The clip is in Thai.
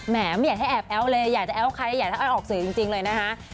ไม่อยากให้แอบแอ้วเลยอยากจะแอ้วใครอยากให้อ้อยออกสื่อจริงเลยนะคะ